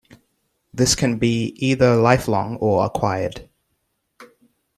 This can be either lifelong or acquired.